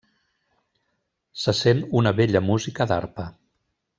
Se sent una bella música d'arpa.